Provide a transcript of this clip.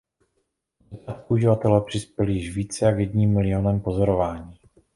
Od začátku uživatelé přispěli již více jak jedním milionem pozorování.